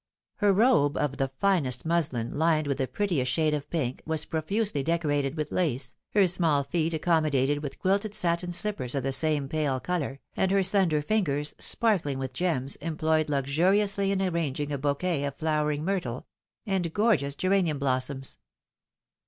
Her robe, of the finest muslin, hned with the prettiest shade of pink, was profusely decorated with lace, her small feet accommodated with quilted satin slippers of the same pale colour, and her slender fingers, sparkhng with gems, employed luxuriously in arranging a bouquet of flowering myrtle, and gorgeous geranium blossoms.